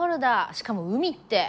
しかも海って。